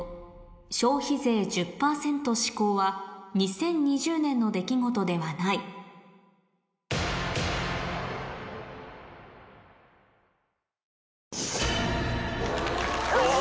消費税１０％施行は２０２０年の出来事ではないよし！